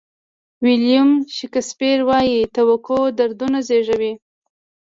ویلیام شکسپیر وایي توقع دردونه زیږوي.